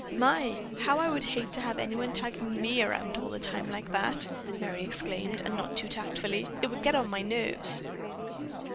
"My, how I would hate to have anyone tagging me around all the time like that," Merry exclaimed, not any too tactfully. "It would get on my nerves."